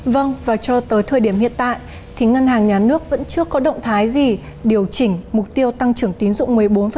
vâng và cho tới thời điểm hiện tại thì ngân hàng nhà nước vẫn chưa có động thái gì điều chỉnh mục tiêu tăng trưởng tín dụng một mươi bốn